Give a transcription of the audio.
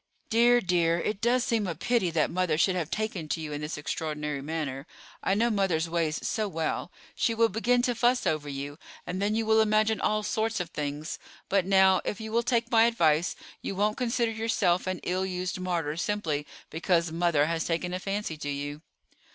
Dear, dear, it does seem a pity that mother should have taken to you in this extraordinary manner. I know mother's ways so well. She will begin to fuss over you, and then you will imagine all sorts of things; but now, if you will take my advice, you won't consider yourself an ill used martyr simply because mother has taken a fancy to you."